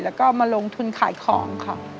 แล้วก็มาลงทุนขายของค่ะ